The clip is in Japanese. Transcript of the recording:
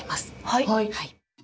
はい。